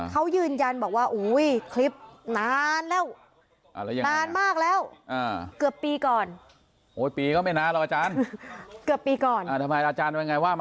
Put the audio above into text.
เกือบปีก่อน